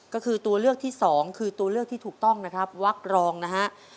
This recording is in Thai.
ก็คือตัวเลือกที่สองคือตัวเลือกที่ถูกต้องนะครับวักรองนะฮะ